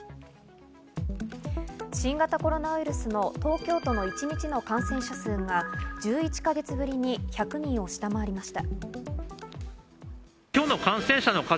新型コロナウイルスの東京都の一日の感染者数が１１か月ぶりに１００人を下回りました。